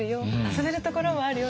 遊べるところもあるよ。